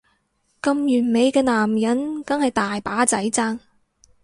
咁完美嘅男人梗係大把仔爭